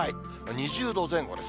２０度前後です。